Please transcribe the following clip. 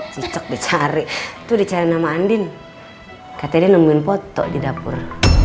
cicok dicari itu dicari nama andin katanya nemuin foto di dapur